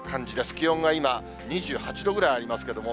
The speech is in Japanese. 気温が今、２８度ぐらいありますけども。